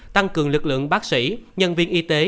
tăng cường lực lượng bác sĩ nhân viên y tế